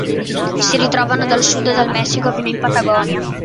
Si ritrovano dal sud del Messico fino in Patagonia.